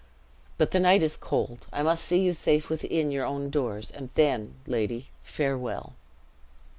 But the night is cold: I must see you safe within your own doors, and then, lady, farewell!"